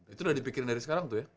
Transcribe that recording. itu udah dipikirin dari sekarang tuh ya